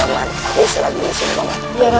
jangan aku selalu disini mama